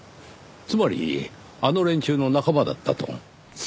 つまりあの連中の仲間だったと？